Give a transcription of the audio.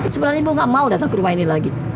sebenernya ibu gak mau datang ke rumah ini lagi